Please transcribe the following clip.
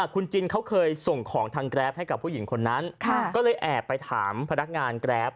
คุณจินเขาเคยส่งของทางแกรปให้กับผู้หญิงคนนั้นก็เลยแอบไปถามพนักงานแกรป